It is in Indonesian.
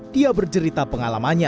dia bercerita pengalamannya